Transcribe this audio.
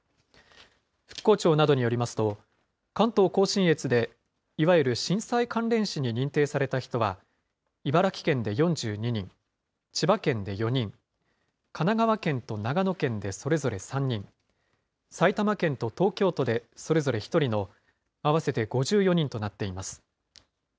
復興庁などによりますと、関東甲信越で、いわゆる震災関連死に認定された人は茨城県で４２人、千葉県で４人、神奈川県と長野県でそれぞれ３人、埼玉県と東京都でそれぞれ１人の、合わせて５４人となっています。